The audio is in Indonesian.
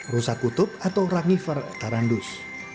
rusa kutub atau rangiver tarandus